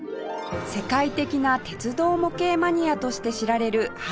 世界的な鉄道模型マニアとして知られる原信太郎さん